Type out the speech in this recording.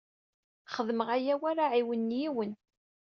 Xedmeɣ aya war aɛiwen n yiwen.